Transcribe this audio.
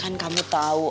kan kamu tahu